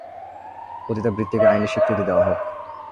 পতিতাবৃত্তিকে আইনি স্বীকৃতি দেওয়া হোক।